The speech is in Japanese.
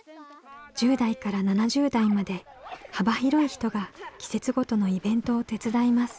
１０代から７０代まで幅広い人が季節ごとのイベントを手伝います。